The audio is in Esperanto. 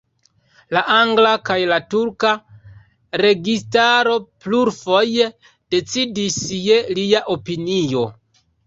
La angla kaj la turka registaro plurfoje decidis je lia opinio.